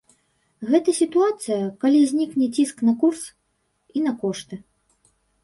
Гэта сітуацыя, калі знікне ціск на курс і на кошты.